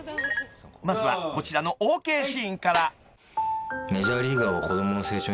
［まずはこちらのＯＫシーンから］